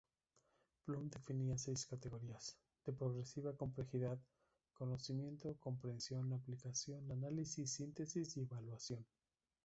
Bloom definía seis categorías, de progresiva complejidad: Conocimiento, Comprensión, Aplicación, Análisis, Síntesis y Evaluación.